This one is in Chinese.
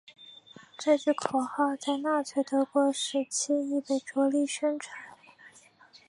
这句口号在纳粹德国时期亦被着力宣传。